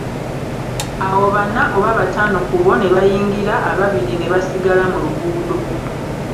Awo bana oba bataano ku bo ne bayingira, ababiri ne basigala mu luguudo